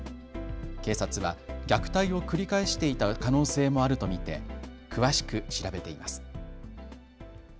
警察は虐待を繰り返していた可能性もあると見て詳しく調べています。